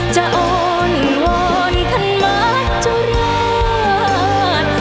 จะอ่อนหว่อนท่านมันจะรอด